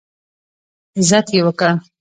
عزت یې وکړ.